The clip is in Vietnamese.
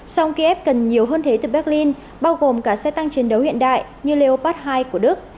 song kiev cần nhiều hơn thế từ berlin bao gồm cả xe tăng chiến đấu hiện đại như leopas hai của đức